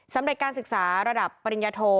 สำหรับการศึกษาระดับปริญญาโท